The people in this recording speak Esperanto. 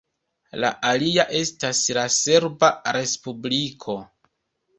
La alia estas la Serba Respubliko.